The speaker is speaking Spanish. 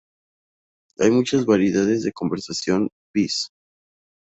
Hay muchas variedades de "conversation piece".